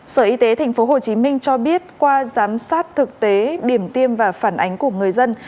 sở y tế tp hcm cho biết qua giám sát thực tế điểm tiêm và phản ánh của người dân